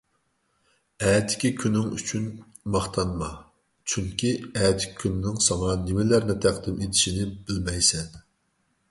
ئەتىكى كۈنۈڭ ئۈچۈن ماختانما، چۈنكى ئەتىكى كۈننىڭ ساڭا نېمىلەرنى تەقدىم ئېتىشىنى بىلمەيسەن.